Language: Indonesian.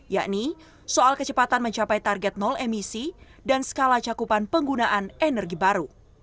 yakni soal kecepatan mencapai target nol emisi dan skala cakupan penggunaan energi baru